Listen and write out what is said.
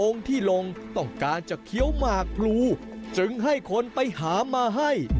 ที่ลงต้องการจะเคี้ยวหมากพลูจึงให้คนไปหามาให้